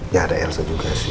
ya ada rc juga sih